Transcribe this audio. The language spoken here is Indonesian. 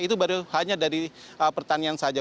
itu baru hanya dari pertanian saja